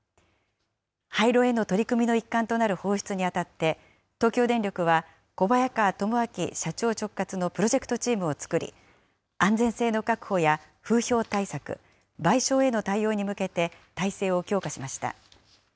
廃炉への取り組みの一環となる放出にあたって、東京電力は、小早川智明社長直轄のプロジェクトチームを作り、安全性の確保や風評対策、賠償への対応に向けて体制を強化しました。